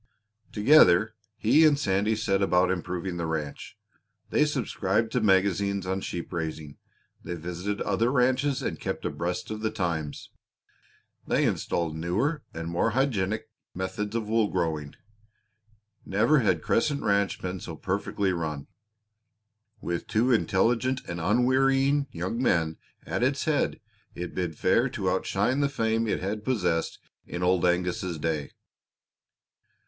Together he and Sandy set about improving the ranch. They subscribed to magazines on sheep raising; they visited other ranches and kept abreast of the times; they installed newer and more hygienic methods of wool growing. Never had Crescent Ranch been so perfectly run. With two intelligent and unwearying young men at its head it bid fair to outshine the fame it had possessed in Old Angus's day.